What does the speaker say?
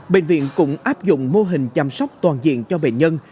bệnh viện cũng áp dụng mô hình chăm sóc toàn diện cho bệnh nhân